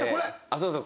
そうそう。